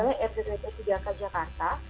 yang pertama adalah rzwp tiga k jakarta